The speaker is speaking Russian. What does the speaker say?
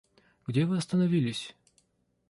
Где вы остановились?